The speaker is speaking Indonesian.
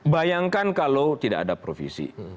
bayangkan kalau tidak ada provisi